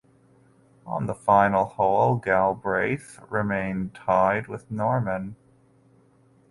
On the final hole Galbraith remained tied with Norman.